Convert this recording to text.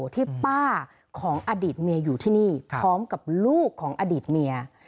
ที่ป้าของอดีตเมียอยู่ที่นี่พร้อมกับลูกของอดีตเมีย